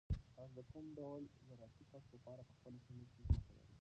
تاسو د کوم ډول زراعتي کښت لپاره په خپله سیمه کې ځمکه لرئ؟